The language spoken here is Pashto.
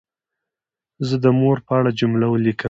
زه د مور په اړه جمله لیکم.